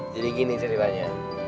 jadi gini ceritanya